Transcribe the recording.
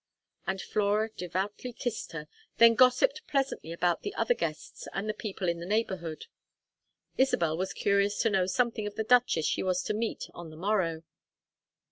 And Flora devoutly kissed her, then gossipped pleasantly about the other guests and the people in the neighborhood. Isabel was curious to know something of the duchess she was to meet on the morrow.